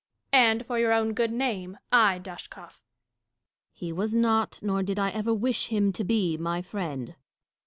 And for your own good name — ay, Dashkof 1 Dashkof. He was not, nor did I ever wish him to be. my friend.